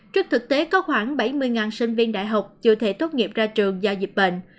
trước thực tế có khoảng bảy mươi sinh viên đại học chưa thể tốt nghiệp ra trường do dịch bệnh